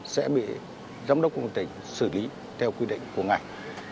sẽ bị giám đốc công an tỉnh xử lý theo quy định của ngành